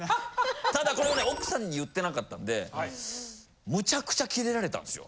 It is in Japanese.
ただこれをね奥さんに言ってなかったんでむちゃくちゃキレられたんですよ。